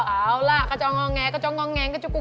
เอาล่ะกระจ้องงงงงงกระจ้องงงงงง